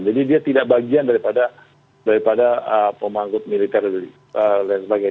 jadi dia tidak bagian daripada pemanggut militer dan sebagainya